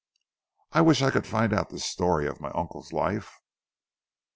"I wish I could find out the story of my uncle's life!"